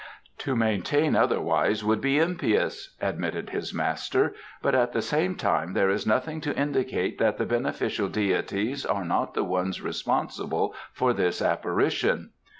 "To maintain otherwise would be impious," admitted his master, "but at the same time there is nothing to indicate that the beneficial deities are not the ones responsible for this apparition."